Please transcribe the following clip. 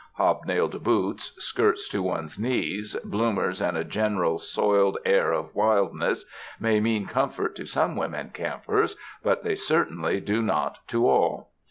Hobnailed boots, skirts to one's knees, bloomers and a general soiled air of wildness may mean comfort to some women campers, but they certainly do not to all.